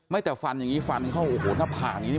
แต่ฟันอย่างนี้ฟันเข้าโอ้โหหน้าผากอย่างนี้